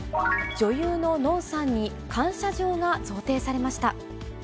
女優ののんさんに感謝状が贈呈されました。